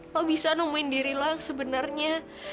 lo bisa nemuin diri lo yang sebenarnya